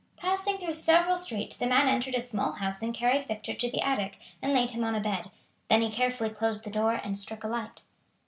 Passing through several streets the man entered a small house and carried Victor to the attic and laid him on a bed, then he carefully closed the door and struck a light.